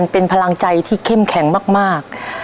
เป็นพลังใจที่เข้มแข็งมาก